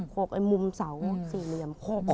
โขกไอ้มุมเศร้า๔เดียม